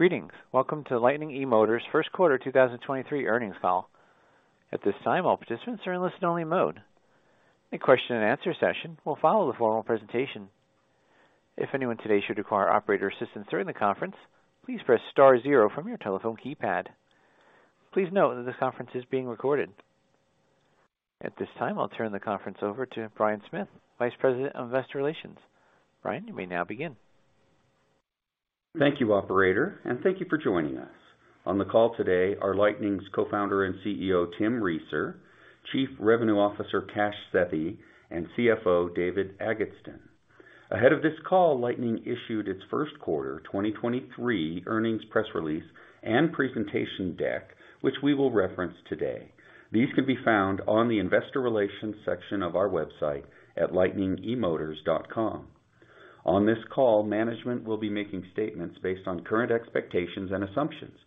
Greetings. Welcome to Lightning eMotors' first quarter 2023 earnings call. At this time, all participants are in listen-only mode. A question and answer session will follow the formal presentation. If anyone today should require operator assistance during the conference, please press star 0 from your telephone keypad. Please note that this conference is being recorded. At this time, I'll turn the conference over to Brian Smith, Vice President of Investor Relations. Brian, you may now begin. Thank you, operator, thank you for joining us. On the call today are Lightning's Co-founder and CEO, Tim Reeser, Chief Revenue Officer, Kash Sethi, and CFO, David Agatston. Ahead of this call, Lightning issued its first quarter 2023 earnings press release and presentation deck, which we will reference today. These can be found on the investor relations section of our website at lightningemotors.com. On this call, management will be making statements based on current expectations and assumptions,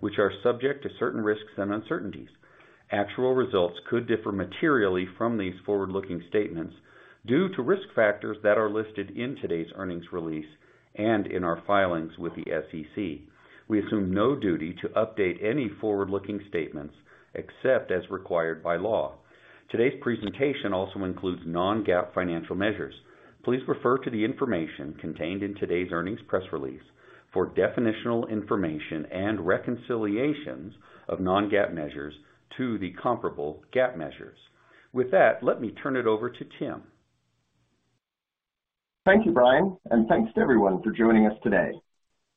which are subject to certain risks and uncertainties. Actual results could differ materially from these forward-looking statements due to risk factors that are listed in today's earnings release and in our filings with the SEC. We assume no duty to update any forward-looking statements except as required by law. Today's presentation also includes non-GAAP financial measures. Please refer to the information contained in today's earnings press release for definitional information and reconciliations of non-GAAP measures to the comparable GAAP measures. With that, let me turn it over to Tim. Thank you, Brian, thanks to everyone for joining us today.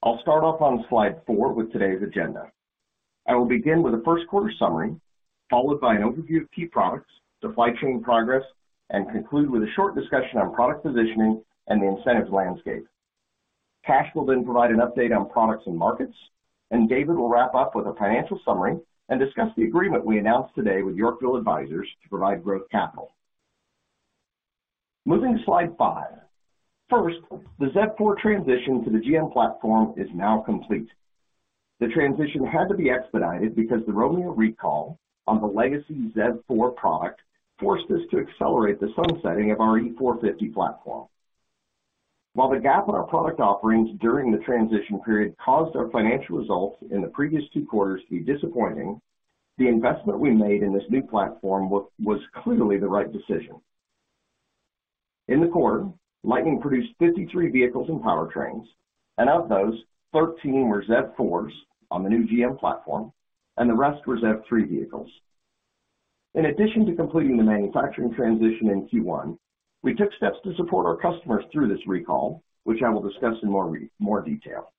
I'll start off on slide 4 with today's agenda. I will begin with a first quarter summary, followed by an overview of key products, supply chain progress, and conclude with a short discussion on product positioning and the incentives landscape. Kash will then provide an update on products and markets, and David will wrap up with a financial summary and discuss the agreement we announced today with Yorkville Advisors to provide growth capital. Moving to slide 5. First, the ZEV4 transition to the GM platform is now complete. The transition had to be expedited because the Romeo recall on the legacy ZEV4 product forced us to accelerate the sunsetting of our E-450 platform. While the gap in our product offerings during the transition period caused our financial results in the previous 2 quarters to be disappointing, the investment we made in this new platform was clearly the right decision. In the quarter, Lightning produced 53 vehicles and powertrains, and of those, 13 were Z4s on the new GM platform, and the rest were Z3 vehicles. In addition to completing the manufacturing transition in Q1, we took steps to support our customers through this recall, which I will discuss in more detail.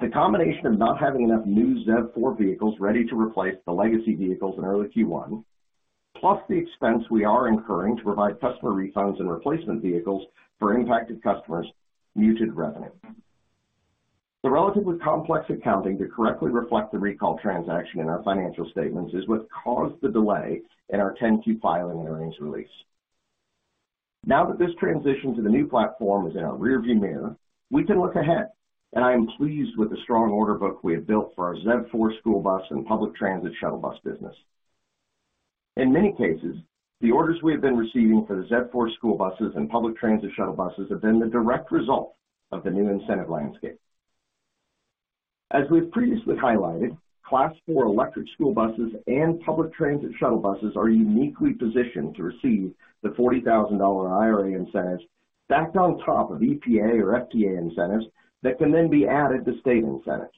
The combination of not having enough new Z4 vehicles ready to replace the legacy vehicles in early Q1, plus the expense we are incurring to provide customer refunds and replacement vehicles for impacted customers muted revenue. The relatively complex accounting to correctly reflect the recall transaction in our financial statements is what caused the delay in our 10-Q filing and earnings release. Now that this transition to the new platform is in our rearview mirror, we can look ahead, and I am pleased with the strong order book we have built for our Z4 school bus and public transit shuttle bus business. In many cases, the orders we have been receiving for the Z4 school buses and public transit shuttle buses have been the direct result of the new incentive landscape. As we've previously highlighted, Class 4 electric school buses and public transit shuttle buses are uniquely positioned to receive the $40,000 IRA incentives backed on top of EPA or FTA incentives that can then be added to state incentives.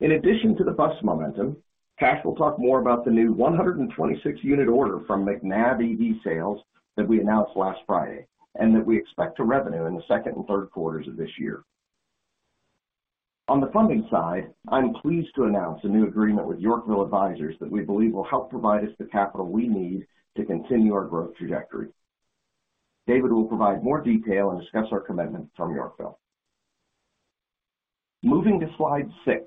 In addition to the bus momentum, Kash will talk more about the new 126 unit order from MacNabb EV Sales Corp. that we announced last Friday and that we expect to revenue in the second and third quarters of this year. On the funding side, I'm pleased to announce a new agreement with Yorkville Advisors that we believe will help provide us the capital we need to continue our growth trajectory. David will provide more detail and discuss our commitment from Yorkville. Moving to slide 6,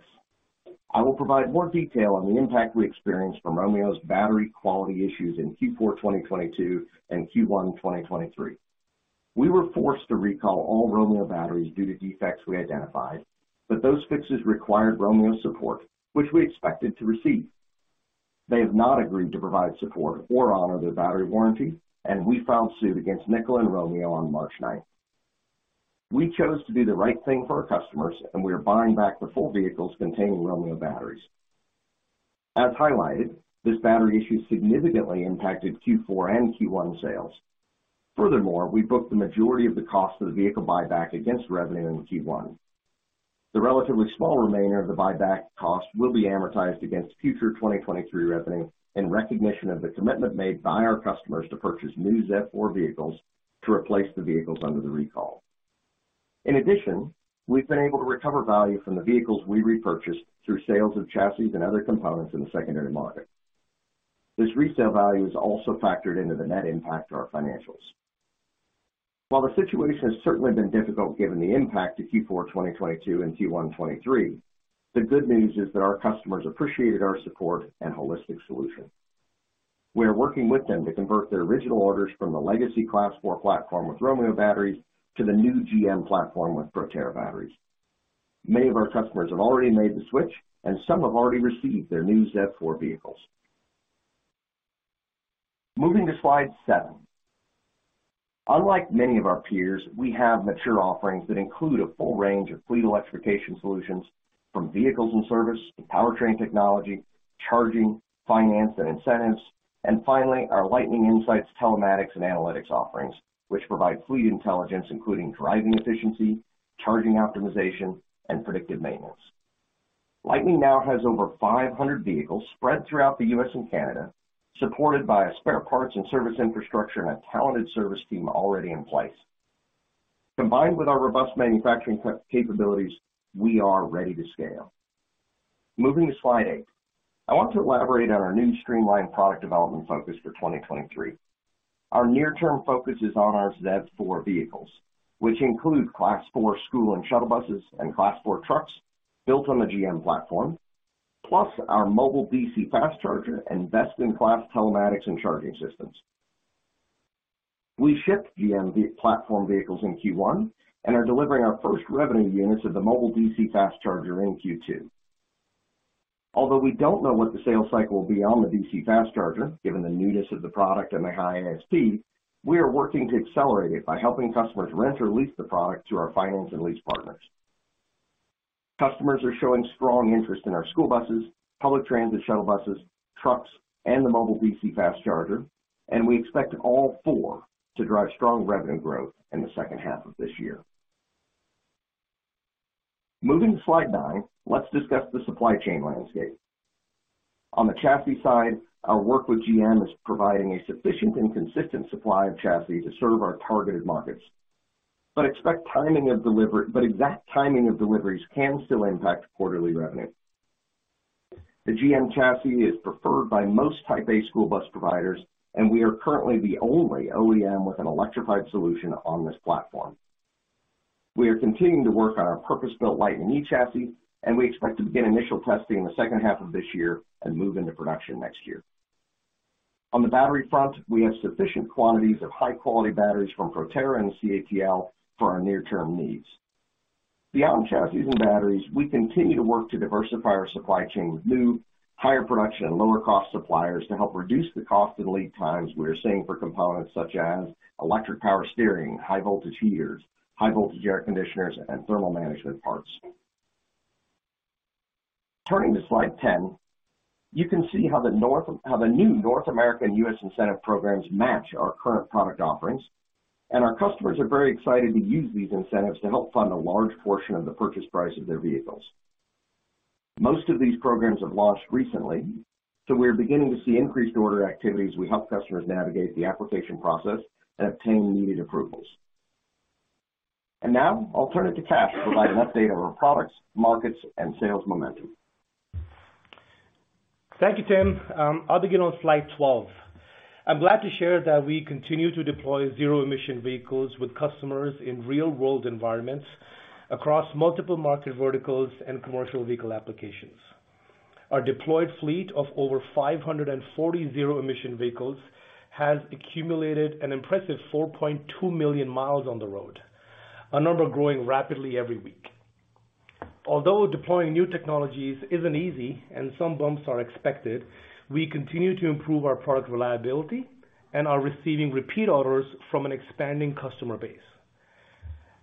I will provide more detail on the impact we experienced from Romeo's battery quality issues in Q4 2022 and Q1 2023. We were forced to recall all Romeo batteries due to defects we identified, but those fixes required Romeo's support, which we expected to receive. They have not agreed to provide support or honor their battery warranty. We filed suit against Nikola and Romeo on March 9th. We chose to do the right thing for our customers. We are buying back the full vehicles containing Romeo batteries. As highlighted, this battery issue significantly impacted Q4 and Q1 sales. Furthermore, we booked the majority of the cost of the vehicle buyback against revenue in Q1. The relatively small remainder of the buyback cost will be amortized against future 2023 revenue in recognition of the commitment made by our customers to purchase new Z4 vehicles to replace the vehicles under the recall. In addition, we've been able to recover value from the vehicles we repurchased through sales of chassis and other components in the secondary market. This resale value is also factored into the net impact to our financials. While the situation has certainly been difficult given the impact to Q4 2022 and Q1 2023, the good news is that our customers appreciated our support and holistic solution. We are working with them to convert their original orders from the legacy Class 4 platform with Romeo batteries to the new GM platform with Proterra batteries. Many of our customers have already made the switch, and some have already received their new ZEV4 vehicles. Moving to slide 7. Unlike many of our peers, we have mature offerings that include a full range of fleet electrification solutions from vehicles and service to powertrain technology, charging, finance and incentives, and finally, our Lightning Insights, telematics, and analytics offerings, which provide fleet intelligence, including driving efficiency, charging optimization, and predictive maintenance. Lightning now has over 500 vehicles spread throughout the U.S. and Canada, supported by a spare parts and service infrastructure and a talented service team already in place. Combined with our robust manufacturing capabilities, we are ready to scale. Moving to slide 8. I want to elaborate on our new streamlined product development focus for 2023. Our near-term focus is on our ZEV4 vehicles, which include Class 4 school and shuttle buses and Class 4 trucks built on the GM platform, plus our mobile DC fast charger and best-in-class telematics and charging systems. We ship GM platform vehicles in Q1 and are delivering our first revenue units of the mobile DC fast charger in Q2. Although we don't know what the sales cycle will be on the DC fast charger, given the newness of the product and the high ASP, we are working to accelerate it by helping customers rent or lease the product through our finance and lease partners. Customers are showing strong interest in our school buses, public transit shuttle buses, trucks, and the Mobile DC Fast Charger, and we expect all four to drive strong revenue growth in the second half of this year. Moving to slide 9, let's discuss the supply chain landscape. On the chassis side, our work with GM is providing a sufficient and consistent supply of chassis to serve our targeted markets. Expect exact timing of deliveries can still impact quarterly revenue. The GM chassis is preferred by most Type A school bus providers, and we are currently the only OEM with an electrified solution on this platform. We are continuing to work on our purpose-built Lightning eChassis, and we expect to begin initial testing in the second half of this year and move into production next year. On the battery front, we have sufficient quantities of high-quality batteries from Proterra and CATL for our near-term needs. Beyond chassis and batteries, we continue to work to diversify our supply chain with new, higher production and lower cost suppliers to help reduce the cost and lead times we are seeing for components such as electric power steering, high voltage heaters, high voltage air conditioners, and thermal management parts. Turning to slide 10, you can see how the new North American U.S. incentive programs match our current product offerings, and our customers are very excited to use these incentives to help fund a large portion of the purchase price of their vehicles. Most of these programs have launched recently, we are beginning to see increased order activity as we help customers navigate the application process and obtain needed approvals. Now I'll turn it to Kash to provide an update on our products, markets, and sales momentum. Thank you, Tim. I'll begin on slide 12. I'm glad to share that we continue to deploy zero-emission vehicles with customers in real-world environments across multiple market verticals and commercial vehicle applications. Our deployed fleet of over 540 zero-emission vehicles has accumulated an impressive 4.2 million miles on the road, a number growing rapidly every week. Although deploying new technologies isn't easy and some bumps are expected, we continue to improve our product reliability and are receiving repeat orders from an expanding customer base.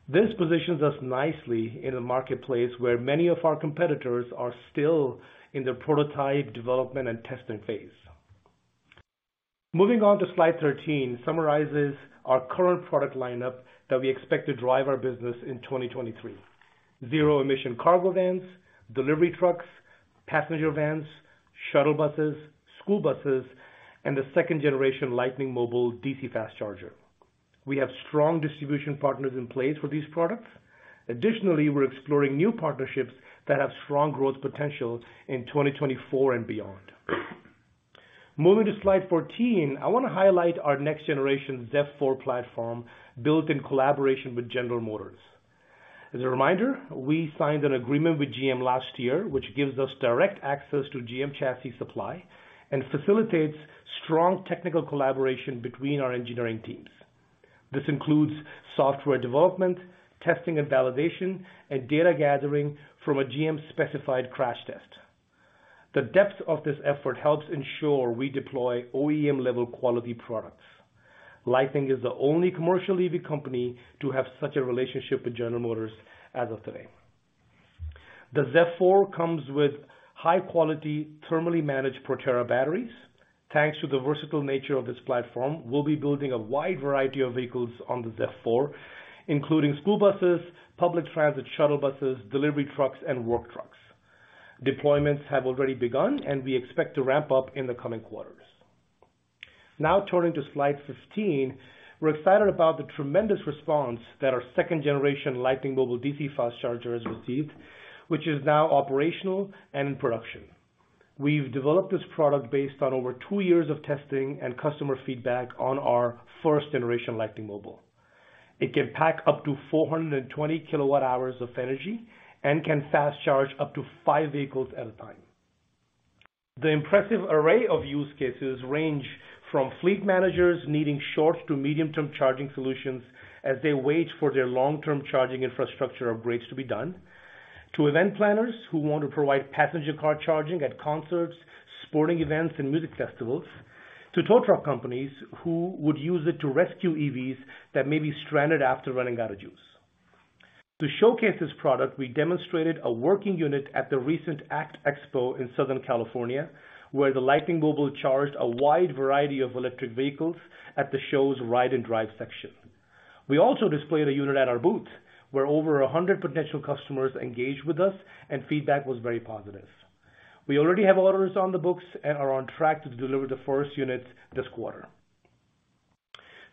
This positions us nicely in a marketplace where many of our competitors are still in the prototype development and testing phase. Moving on to slide 13, summarizes our current product lineup that we expect to drive our business in 2023. Zero-emission cargo vans, delivery trucks, passenger vans, shuttle buses, school buses, and the second-generation Lightning Mobile DC Fast Charger. We have strong distribution partners in place for these products. Additionally, we're exploring new partnerships that have strong growth potential in 2024 and beyond. Moving to slide 14, I wanna highlight our next-generation ZEV4 platform built in collaboration with General Motors. As a reminder, we signed an agreement with GM last year, which gives us direct access to GM chassis supply and facilitates strong technical collaboration between our engineering teams. This includes software development, testing and validation, and data gathering from a GM-specified crash test. The depth of this effort helps ensure we deploy OEM-level quality products. Lightning is the only commercial EV company to have such a relationship with General Motors as of today. The ZEV4 comes with high-quality, thermally managed Proterra batteries. Thanks to the versatile nature of this platform, we'll be building a wide variety of vehicles on the ZEV4, including school buses, public transit shuttle buses, delivery trucks, and work trucks. Deployments have already begun. We expect to ramp up in the coming quarters. Now turning to slide 15. We're excited about the tremendous response that our second-generation Lightning Mobile DC Fast Charger has received, which is now operational and in production. We've developed this product based on over 2 years of testing and customer feedback on our first-generation Lightning Mobile. It can pack up to 420 kWh of energy and can fast charge up to five vehicles at a time. The impressive array of use cases range from fleet managers needing short to medium-term charging solutions as they wait for their long-term charging infrastructure upgrades to be done. To event planners who want to provide passenger car charging at concerts, sporting events, and music festivals, to tow truck companies who would use it to rescue EVs that may be stranded after running out of juice. To showcase this product, we demonstrated a working unit at the recent ACT Expo in Southern California, where the Lightning Mobile charged a wide variety of electric vehicles at the show's ride and drive section. We also displayed a unit at our booth, where over 100 potential customers engaged with us, and feedback was very positive. We already have orders on the books and are on track to deliver the first units this quarter.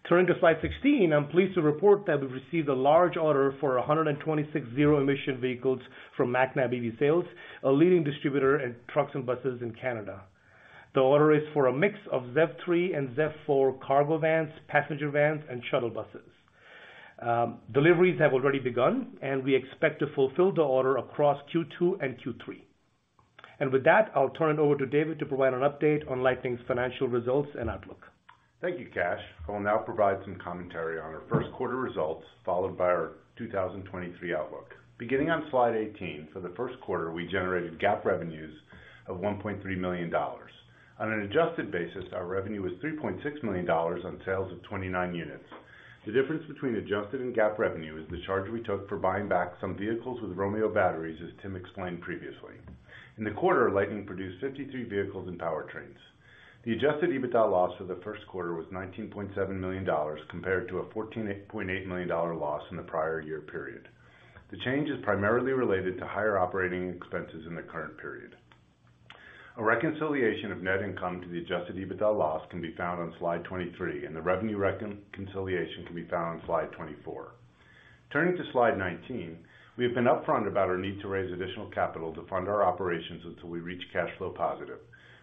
Turning to slide 16, I'm pleased to report that we've received a large order for 126 zero-emission vehicles from MacNabb EV Sales, a leading distributor in trucks and buses in Canada. The order is for a mix of ZEV3 and ZEV4 cargo vans, passenger vans, and shuttle buses. Deliveries have already begun, we expect to fulfill the order across Q2 and Q3. With that, I'll turn it over to David to provide an update on Lightning's financial results and outlook. Thank you, Kash. I will now provide some commentary on our first quarter results, followed by our 2023 outlook. Beginning on slide 18, for the first quarter, we generated GAAP revenues of $1.3 million. On an adjusted basis, our revenue was $3.6 million on sales of 29 units. The difference between adjusted and GAAP revenue is the charge we took for buying back some vehicles with Romeo batteries, as Tim explained previously. In the quarter, Lightning produced 53 vehicles and powertrains. The adjusted EBITDA loss for the first quarter was $19.7 million, compared to a $14.8 million loss in the prior year period. The change is primarily related to higher operating expenses in the current period. A reconciliation of net income to the adjusted EBITDA loss can be found on slide 23, and the revenue reconciliation can be found on slide 24. Turning to slide 19, we have been upfront about our need to raise additional capital to fund our operations until we reach cash flow positive.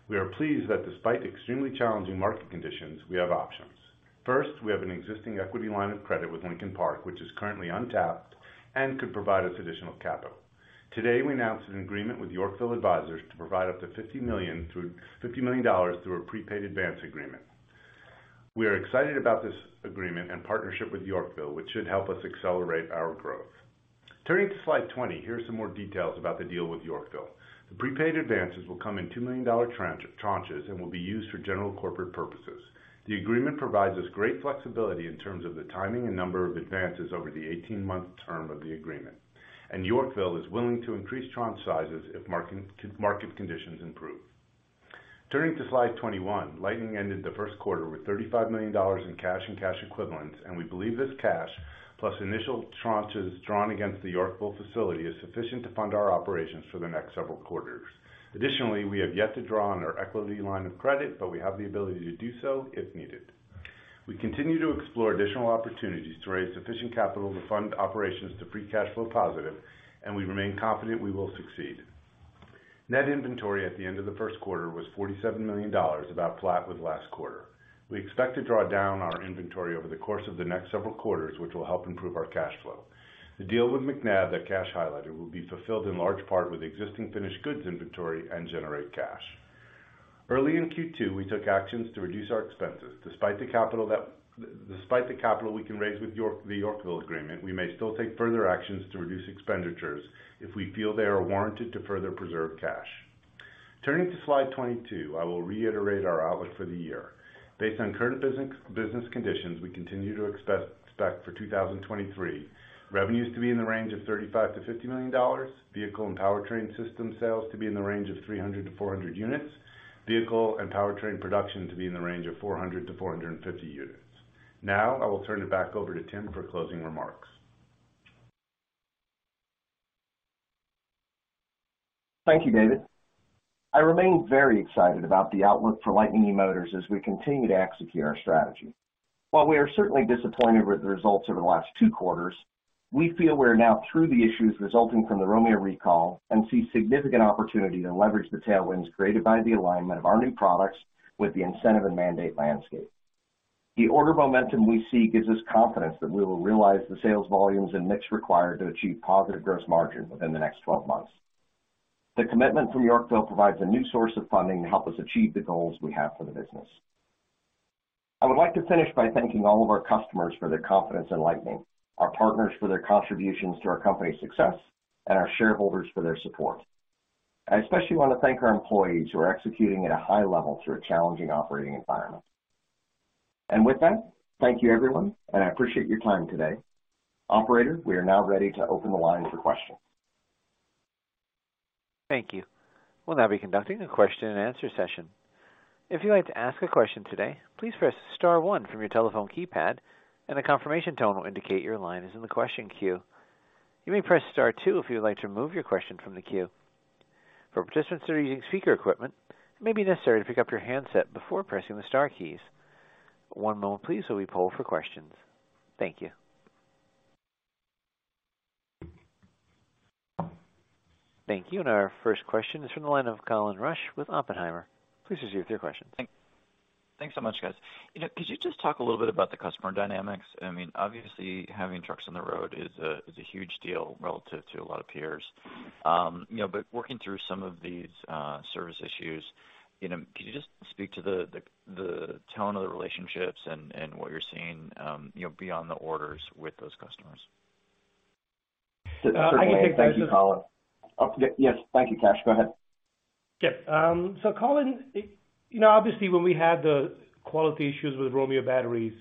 We are pleased that despite extremely challenging market conditions, we have options. First, we have an existing equity line of credit with Lincoln Park, which is currently untapped and could provide us additional capital. Today, we announced an agreement with Yorkville Advisors to provide up to $50 million through a prepaid advance agreement. We are excited about this agreement and partnership with Yorkville, which should help us accelerate our growth. Turning to slide 20, here are some more details about the deal with Yorkville. The prepaid advances will come in $2 million tranches and will be used for general corporate purposes. The agreement provides us great flexibility in terms of the timing and number of advances over the 18-month term of the agreement. Yorkville is willing to increase tranche sizes if market conditions improve. Turning to slide 21, Lightning ended the first quarter with $35 million in cash and cash equivalents. We believe this cash, plus initial tranches drawn against the Yorkville facility, is sufficient to fund our operations for the next several quarters. Additionally, we have yet to draw on our equity line of credit, but we have the ability to do so if needed. We continue to explore additional opportunities to raise sufficient capital to fund operations to free cash flow positive. We remain confident we will succeed. Net inventory at the end of the first quarter was $47 million, about flat with last quarter. We expect to draw down our inventory over the course of the next several quarters, which will help improve our cash flow. The deal with MacNabb that Kash highlighted will be fulfilled in large part with existing finished goods inventory and generate cash. Early in Q2, we took actions to reduce our expenses. Despite the capital we can raise with the Yorkville agreement, we may still take further actions to reduce expenditures if we feel they are warranted to further preserve cash. Turning to slide 22, I will reiterate our outlook for the year. Based on current business conditions, we continue to expect for 2023, revenues to be in the range of $35 million to $50 million, vehicle and powertrain system sales to be in the range of 300 to 400 units, vehicle and powertrain production to be in the range of 400 to 450 units. I will turn it back over to Tim for closing remarks. Thank you, David. I remain very excited about the outlook for Lightning eMotors as we continue to execute our strategy. While we are certainly disappointed with the results over the last two quarters, we feel we're now through the issues resulting from the Romeo recall and see significant opportunity to leverage the tailwinds created by the alignment of our new products with the incentive and mandate landscape. The order momentum we see gives us confidence that we will realize the sales volumes and mix required to achieve positive gross margin within the next 12 months. The commitment from Yorkville provides a new source of funding to help us achieve the goals we have for the business. I would like to finish by thanking all of our customers for their confidence in Lightning, our partners for their contributions to our company's success, and our shareholders for their support. I especially want to thank our employees who are executing at a high level through a challenging operating environment. With that, thank you everyone, and I appreciate your time today. Operator, we are now ready to open the line for questions. Thank you. We'll now be conducting a question-and-answer session. If you'd like to ask a question today, please press star one from your telephone keypad and a confirmation tone will indicate your line is in the question queue. You may press star two if you would like to remove your question from the queue. For participants that are using speaker equipment, it may be necessary to pick up your handset before pressing the star keys. One moment please while we poll for questions. Thank you. Thank you. Our first question is from the line of Colin Rusch with Oppenheimer. Please proceed with your question. Thanks so much, guys. You know, could you just talk a little bit about the customer dynamics? I mean, obviously, having trucks on the road is a huge deal relative to a lot of peers. You know, but working through some of these service issues, you know, could you just speak to the tone of the relationships and what you're seeing, you know, beyond the orders with those customers? Sure. I can take that. Yes. Thank you, Kash. Go ahead. Colin, you know, obviously when we had the quality issues with Romeo batteries,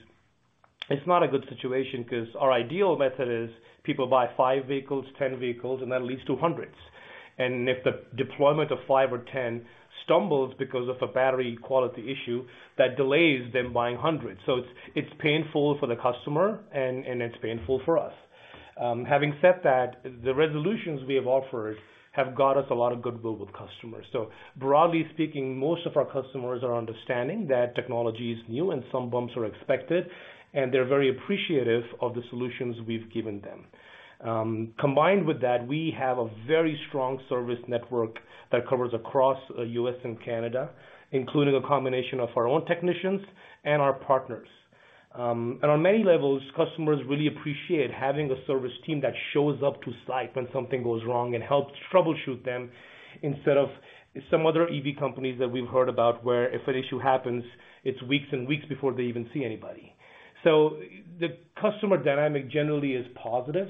it's not a good situation because our ideal method is people buy 5 vehicles, 10 vehicles, and that leads to hundreds. If the deployment of 5 or 10 stumbles because of a battery quality issue, that delays them buying hundreds. It's painful for the customer and it's painful for us. Having said that, the resolutions we have offered have got us a lot of goodwill with customers. Broadly speaking, most of our customers are understanding that technology is new and some bumps are expected, and they're very appreciative of the solutions we've given them. Combined with that, we have a very strong service network that covers across U.S. and Canada, including a combination of our own technicians and our partners. On many levels, customers really appreciate having a service team that shows up to site when something goes wrong and helps troubleshoot them instead of some other EV companies that we've heard about, where if an issue happens, it's weeks and weeks before they even see anybody. The customer dynamic generally is positive,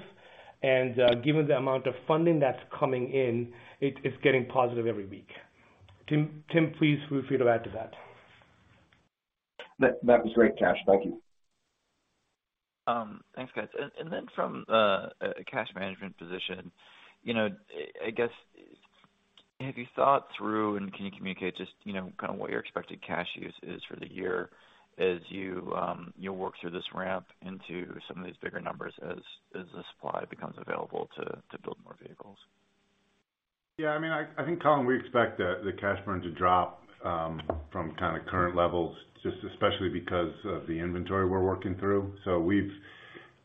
and given the amount of funding that's coming in, it's getting positive every week. Tim, please feel free to add to that. That was great, Kash. Thank you. Thanks, guys. Then from a cash management position, you know, I guess, have you thought through and can you communicate just, you know, kind of what your expected cash use is for the year as you work through this ramp into some of these bigger numbers as the supply becomes available to build more vehicles? I mean, I think, Colin, we expect the cash burn to drop from kind of current levels, just especially because of the inventory we're working through. We've,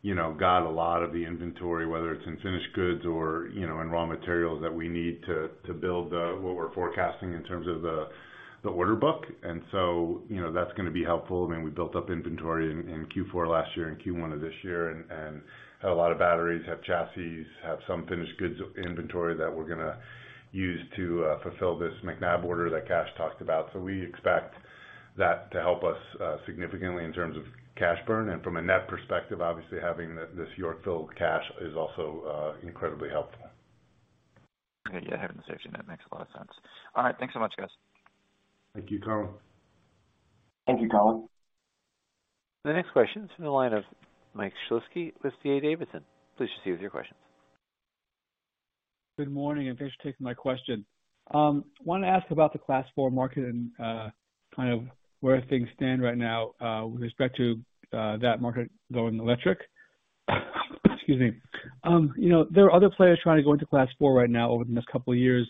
you know, got a lot of the inventory, whether it's in finished goods or, you know, in raw materials that we need to build what we're forecasting in terms of the order book. You know, that's gonna be helpful. I mean, we built up inventory in Q4 last year and Q1 of this year and have a lot of batteries, have chassis, have some finished goods inventory that we're gonna use to fulfill this MacNabb order that Kash talked about. We expect that to help us significantly in terms of cash burn. From a net perspective, obviously having this Yorkville cash is also incredibly helpful. Yeah. Having the safety net makes a lot of sense. All right. Thanks so much, guys. Thank you, Colin. Thank you, Colin. The next question is in the line of Mike Shlisky with D.A. Davidson. Please proceed with your questions. Good morning, thanks for taking my question. Wanted to ask about the Class 4 market and kind of where things stand right now with respect to that market going electric. Excuse me. You know, there are other players trying to go into Class 4 right now over the next 2 years.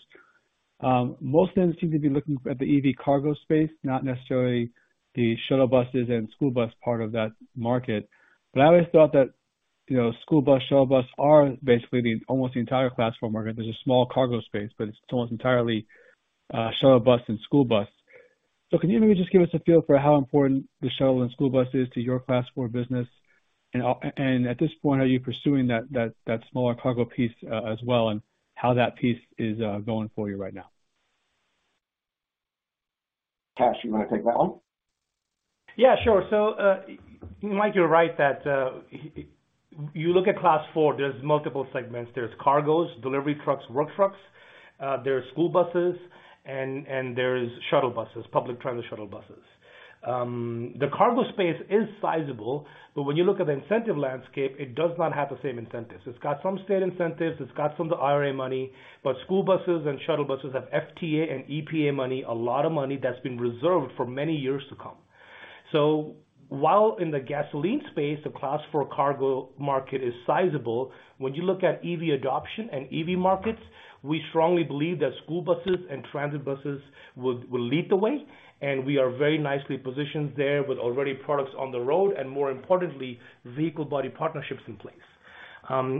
Most of them seem to be looking at the EV cargo space, not necessarily the shuttle buses and school bus part of that market. I always thought that, you know, school bus, shuttle bus are basically the, almost the entire Class 4 market. There's a small cargo space, but it's almost entirely shuttle bus and school bus. Can you maybe just give us a feel for how important the shuttle and school bus is to your Class 4 business? At this point, are you pursuing that smaller cargo piece, as well, and how that piece is going for you right now? Kash, you wanna take that one? Yeah, sure. Mike, you're right that you look at Class 4, there's multiple segments. There's cargoes, delivery trucks, work trucks, there's school buses and there's shuttle buses, public transit shuttle buses. The cargo space is sizable, when you look at the incentive landscape, it does not have the same incentives. It's got some state incentives, it's got some of the IRA money, school buses and shuttle buses have FTA and EPA money, a lot of money that's been reserved for many years to come. While in the gasoline space, the Class 4 cargo market is sizable, when you look at EV adoption and EV markets, we strongly believe that school buses and transit buses will lead the way, and we are very nicely positioned there with already products on the road, and more importantly, vehicle body partnerships in place.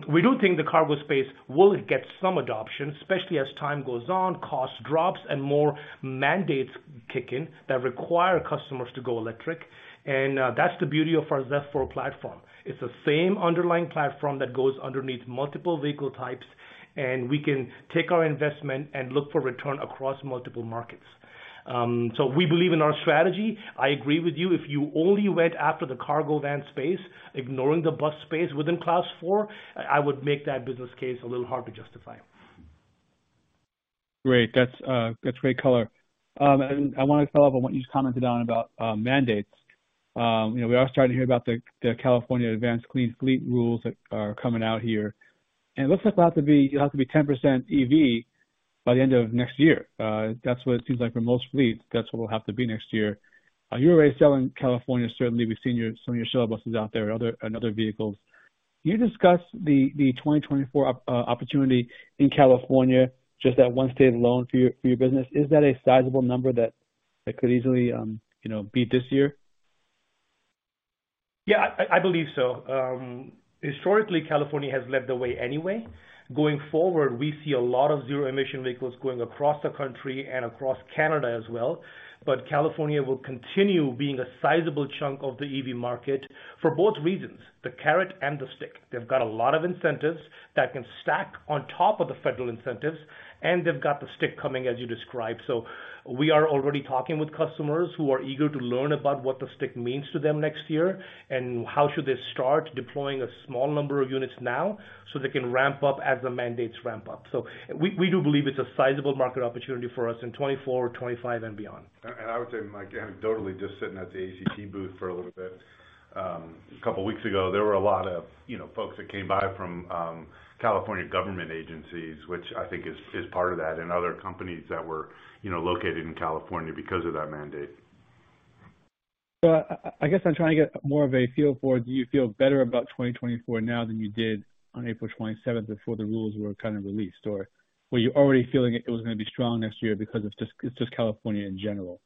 We do think the cargo space will get some adoption, especially as time goes on, cost drops and more mandates kick in that require customers to go electric. That's the beauty of our ZEV4 platform. It's the same underlying platform that goes underneath multiple vehicle types, and we can take our investment and look for return across multiple markets. We believe in our strategy. I agree with you. If you only went after the cargo van space, ignoring the bus space within Class 4, I would make that business case a little hard to justify. Great. That's great color. I want to follow up on what you just commented on about mandates. You know, we are starting to hear about the Advanced Clean Fleets rules that are coming out here, and it looks like you'll have to be, you'll have to be 10% EV by the end of next year. That's what it seems like for most fleets. That's what we'll have to be next year. You're already selling California. Certainly, we've seen your, some of your shuttle buses out there and other vehicles. Can you discuss the 2024 opportunity in California, just that one state alone for your business. Is that a sizable number that could easily, you know, beat this year? I believe so. Historically, California has led the way anyway. Going forward, we see a lot of zero-emission vehicles going across the country and across Canada as well. California will continue being a sizable chunk of the EV market for both reasons, the carrot and the stick. They've got a lot of incentives that can stack on top of the federal incentives, and they've got the stick coming, as you described. We are already talking with customers who are eager to learn about what the stick means to them next year and how should they start deploying a small number of units now so they can ramp up as the mandates ramp up. We do believe it's a sizable market opportunity for us in 2024, 2025 and beyond. I would say, Mike, anecdotally, just sitting at the ACT booth for a little bit, a couple of weeks ago, there were a lot of, you know, folks that came by from California government agencies, which I think is part of that, and other companies that were, you know, located in California because of that mandate. I guess I'm trying to get more of a feel for do you feel better about 2024 now than you did on April 27th before the rules were kind of released, or were you already feeling it was gonna be strong next year because of just, it's just California in general?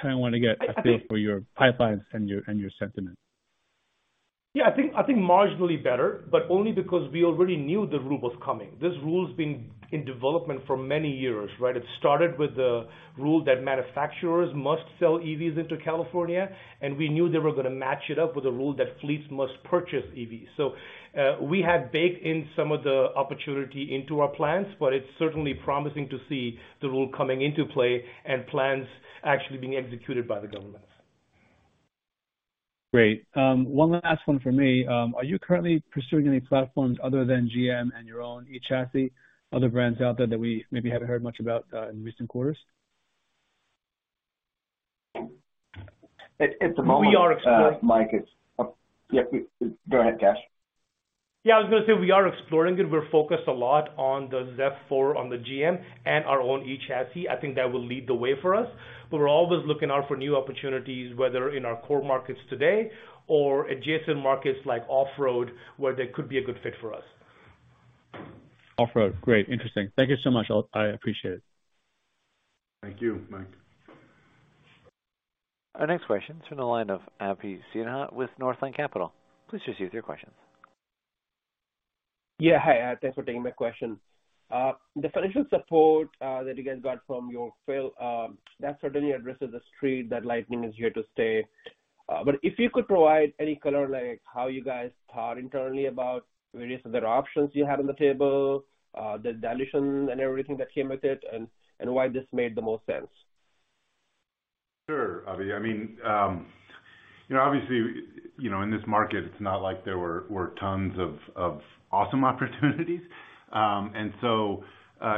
Kinda wanna get a feel for your pipelines and your sentiment. Yeah, I think marginally better, but only because we already knew the rule was coming. This rule's been in development for many years, right? It started with the rule that manufacturers must sell EVs into California, and we knew they were gonna match it up with a rule that fleets must purchase EVs. We have baked in some of the opportunity into our plans, but it's certainly promising to see the rule coming into play and plans actually being executed by the government. Great. One last one from me. Are you currently pursuing any platforms other than GM and your own eChassis, other brands out there that we maybe haven't heard much about in recent quarters? At the moment. We are exploring- Mike is. Oh, yeah. Go ahead, Kash. Yeah, I was gonna say we are exploring it. We're focused a lot on the ZEV4 on the GM and our own eChassis. I think that will lead the way for us. We're always looking out for new opportunities, whether in our core markets today or adjacent markets like off-road, where they could be a good fit for us. Off-road. Great. Interesting. Thank you so much. I appreciate it. Thank you, Mike. Our next question is from the line of Abhi Sinha with Northland Capital. Please proceed with your questions. Yeah. Hi. Thanks for taking my question. The financial support that you guys got from Yorkville, that certainly addresses the street that Lightning is here to stay. If you could provide any color, like how you guys thought internally about various other options you had on the table, the dilution and everything that came with it and why this made the most sense? Sure, Abhi. I mean, you know, obviously, you know, in this market, it's not like there were tons of awesome opportunities. And so,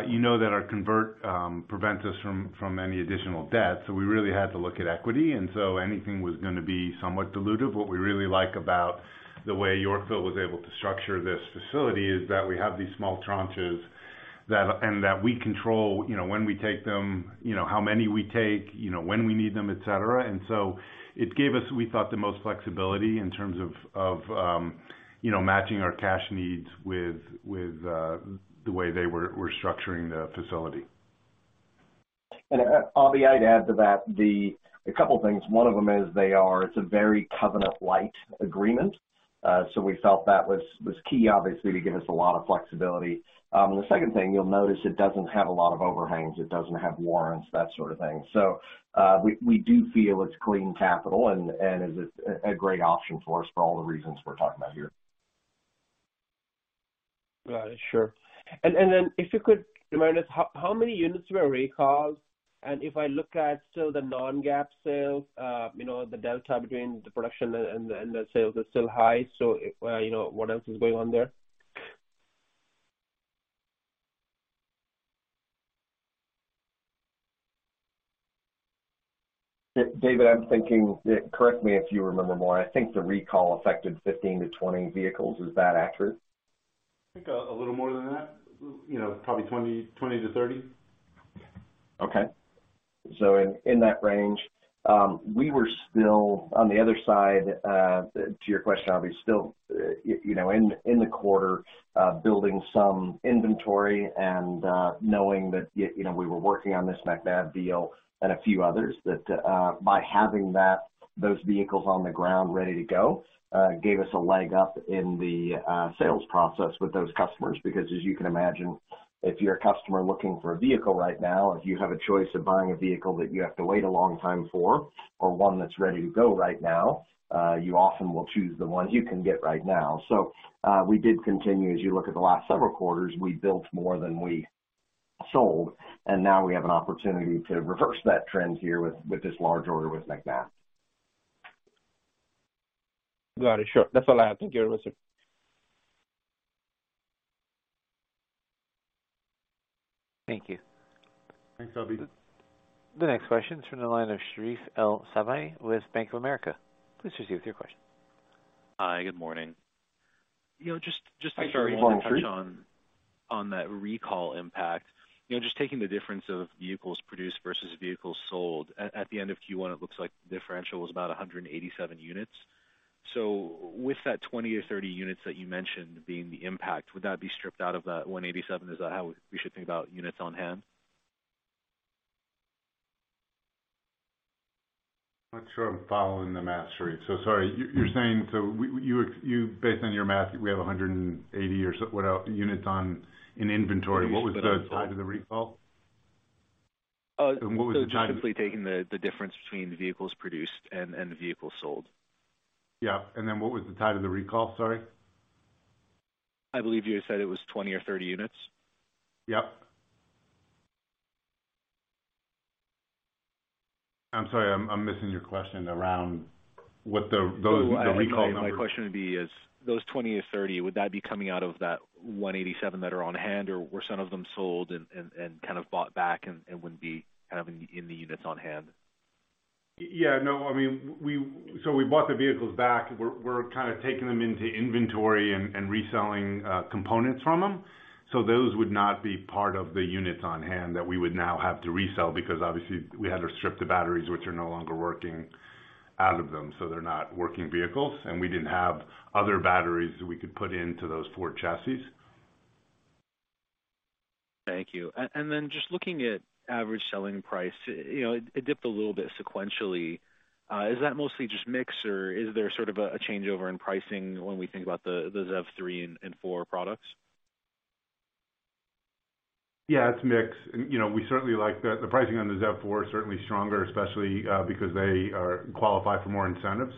you know that our convert, prevents us from any additional debt, so we really had to look at equity. Anything was gonna be somewhat dilutive. What we really like about the way Yorkville was able to structure this facility is that we have these small tranches that and that we control, you know, when we take them, you know, how many we take, you know, when we need them, et cetera. It gave us, we thought, the most flexibility in terms of, you know, matching our cash needs with, the way they were structuring the facility. Abhi, I'd add to that a couple of things. One of them is it's a very covenant light agreement. We felt that was key, obviously, to give us a lot of flexibility. The second thing you'll notice, it doesn't have a lot of overhangs, it doesn't have warrants, that sort of thing. We, we do feel it's clean capital and is a great option for us for all the reasons we're talking about here. Got it. Sure. Then if you could remind us how many units were recalled? If I look at still the non-GAAP sales, you know, the delta between the production and the sales are still high. You know, what else is going on there? David, I'm thinking that, correct me if you remember more, I think the recall affected 15-20 vehicles. Is that accurate? I think a little more than that. You know, probably 20 to 30. Okay. In that range. We were still on the other side, to your question, Abhi, still, you know, in the quarter, building some inventory and, knowing that, you know, we were working on this MacNabb deal and a few others that, by having that, those vehicles on the ground ready to go, gave us a leg up in the sales process with those customers. As you can imagine, if you're a customer looking for a vehicle right now, if you have a choice of buying a vehicle that you have to wait a long time for or one that's ready to go right now, you often will choose the one you can get right now. We did continue. As you look at the last several quarters, we built more than we sold, and now we have an opportunity to reverse that trend here with this large order with MacNabb. Got it. Sure. That's all I have. Thank you. I listen. Thank you. Thanks, Abhi. The next question is from the line of Sherif El-Sabbahy with Bank of America. Please proceed with your question. Hi, good morning. You know, just Good morning, Sherif. Touch on that recall impact. You know, just taking the difference of vehicles produced versus vehicles sold. At the end of Q1, it looks like the differential was about 187 units. With that 20 or 30 units that you mentioned being the impact, would that be stripped out of that 187? Is that how we should think about units on hand? I'm not sure I'm following the math, Sherif. Sorry. You're saying... Based on your math, we have 180 or so, whatever, units on in inventory. What was the tie to the recall? Just simply taking the difference between the vehicles produced and the vehicles sold. Yeah. Then what was the tie to the recall? Sorry. I believe you said it was 20 or 30 units. Yep. I'm sorry, I'm missing your question around what the recall numbers- My question would be is those 20 or 30, would that be coming out of that 187 that are on hand, or were some of them sold and, and kind of bought back and wouldn't be kind of in the, in the units on hand? Yeah. No, I mean, we bought the vehicles back. We're kind of taking them into inventory and reselling components from them. Those would not be part of the units on hand that we would now have to resell because obviously we had to strip the batteries, which are no longer working out of them, so they're not working vehicles, and we didn't have other batteries that we could put into those Ford chassis. Thank you. Just looking at average selling price, you know, it dipped a little bit sequentially. Is that mostly just mix or is there sort of a changeover in pricing when we think about the ZEV3 and ZEV4 products? Yeah, it's mix. You know, we certainly like the pricing on the ZEV4 certainly stronger, especially because they are qualified for more incentives.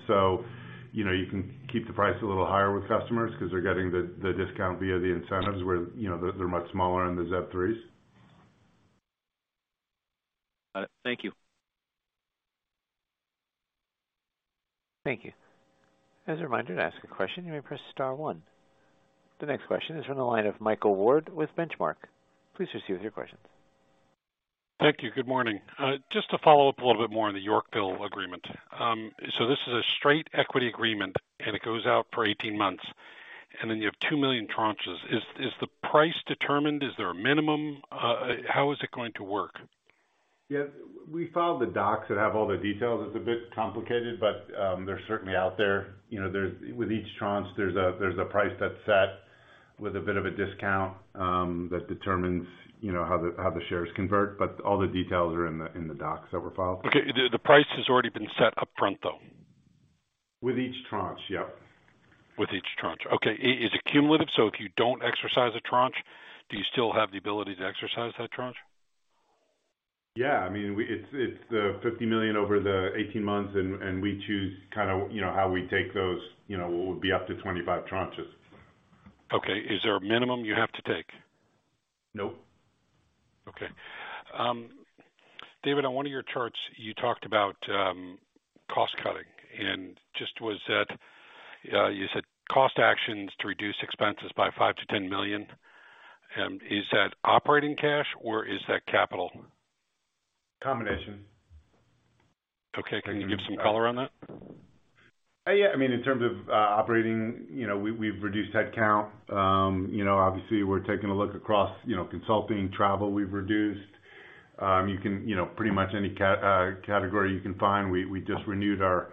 You know, you can keep the price a little higher with customers 'cause they're getting the discount via the incentives where, you know, they're much smaller in the ZEV3s. Got it. Thank you. Thank you. As a reminder, to ask a question, you may press star one. The next question is from the line of Michael Ward with Benchmark. Please proceed with your questions. Thank you. Good morning. Just to follow up a little bit more on the Yorkville agreement. This is a straight equity agreement. It goes out for 18 months. Then you have $2 million tranches. Is the price determined? Is there a minimum? How is it going to work? Yeah. We filed the docs that have all the details. It's a bit complicated, but, they're certainly out there. You know, there's with each tranche, there's a price that's set with a bit of a discount, that determines, you know, how the shares convert, but all the details are in the docs that were filed. Okay. The price has already been set upfront, though. With each tranche, yep. With each tranche. Okay. Is it cumulative? If you don't exercise a tranche, do you still have the ability to exercise that tranche? Yeah. I mean, it's $50 million over the 18 months, and we choose kinda, you know, how we take those, you know, what would be up to 25 tranches. Okay. Is there a minimum you have to take? Nope. David, on one of your charts, you talked about cost-cutting. Just was that, you said cost actions to reduce expenses by $5 million to $10 million. Is that operating cash or is that capital? Combination. Okay. Can you give some color on that? Yeah. I mean, in terms of operating, you know, we've reduced headcount. You know, obviously we're taking a look across, you know, consulting, travel, we've reduced. You can, you know, pretty much any category you can find. We just renewed our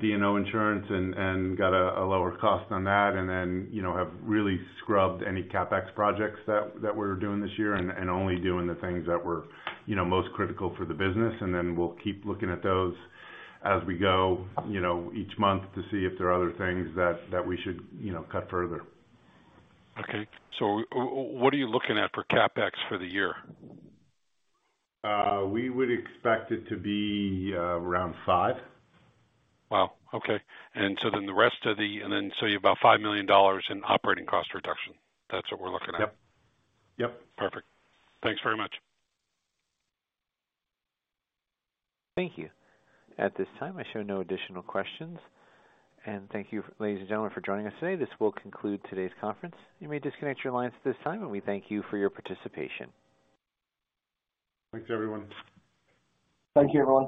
D&O insurance and got a lower cost on that. You know, have really scrubbed any CapEx projects that we're doing this year and only doing the things that were, you know, most critical for the business. We'll keep looking at those as we go, you know, each month to see if there are other things that we should, you know, cut further. Okay. What are you looking at for CapEx for the year? We would expect it to be, around five. Wow. Okay. You have about $5 million in operating cost reduction. That's what we're looking at. Yep. Yep. Perfect. Thanks very much. Thank you. At this time, I show no additional questions. Thank you ladies and gentlemen for joining us today. This will conclude today's conference. You may disconnect your lines at this time, and we thank you for your participation. Thanks, everyone. Thank you, everyone.